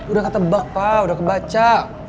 udah ketebak pak udah kebaca